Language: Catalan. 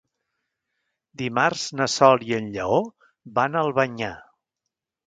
Dimarts na Sol i en Lleó van a Albanyà.